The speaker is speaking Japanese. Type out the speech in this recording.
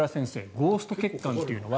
ゴースト血管というのは